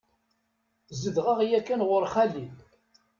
Zedɣeɣ yakan ɣur xali.